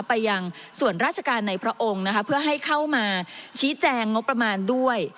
ไปยังส่วนราชการในพระองค์นะคะเพื่อให้เข้ามาชี้แจงงบประมาณด้วย